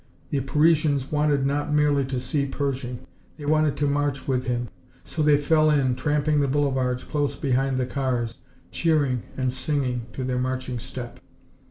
The Parisians wanted not merely to see Pershing they wanted to march with him. So they fell in, tramping the boulevards close behind the cars, cheering and singing to their marching step.